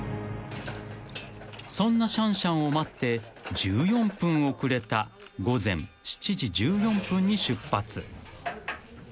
［そんなシャンシャンを待って１４分遅れた午前７時１４分に出発］